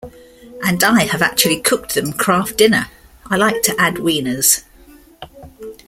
And I have actually cooked them Kraft Dinner - I like to add wieners.